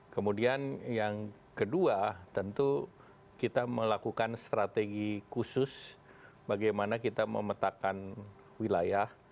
kemudian yang kedua tentu kita melakukan strategi khusus bagaimana kita memetakan wilayah